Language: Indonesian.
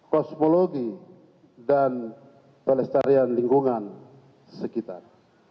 kosmologi dan pelestarian lingkungan sekitar